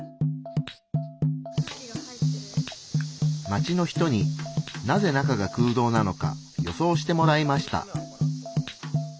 街の人になぜ中が空洞なのか予想してもらいました。